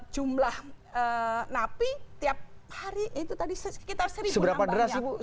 jumlah napi tiap hari itu tadi sekitar seribu